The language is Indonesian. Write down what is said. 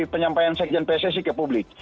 penyampaian sekjen pssi ke publik